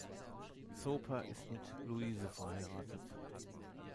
Soper ist mit Louise verheiratet.